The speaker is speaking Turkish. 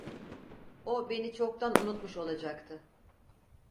O beni çoktan unutmuş olacaktı.